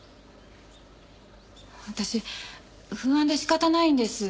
私不安で仕方ないんです。